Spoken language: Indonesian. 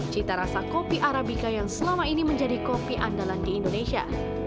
cita rasa kopi arabica yang selama ini menjadi kopi andalan di indonesia